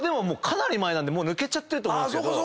かなり前なので抜けちゃってると思うんですけど。